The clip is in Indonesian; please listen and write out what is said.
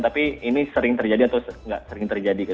tapi ini sering terjadi atau nggak sering terjadi